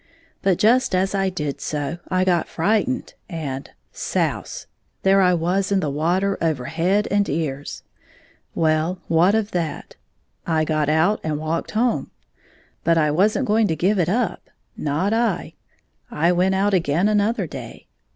But just as I did so I got frightened, and — souse ! there I was in the water over head and ears. Well, what of that 1 I got out and walked home. But I was n't going to give it up — not I. I went out again another day.